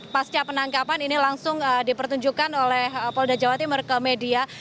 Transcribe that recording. pasca penangkapan ini langsung dipertunjukkan oleh polda jawa timur ke media